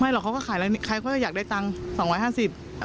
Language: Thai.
หรอกเขาก็ขายใครเขาก็อยากได้ตังค์๒๕๐บาท